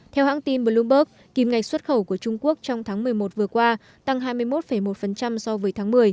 theo hãng tin bloomberg kim ngạch xuất khẩu của trung quốc trong tháng một mươi một vừa qua tăng hai mươi một một so với tháng một mươi